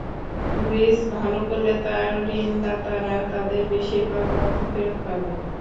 Greece ভালো করলে তার ঋণদাতারা তাদের বেশির ভাগ অর্থ ফেরত পাবে।